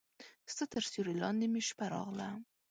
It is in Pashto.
ستا تر سیوري لاندې مې شپه راغله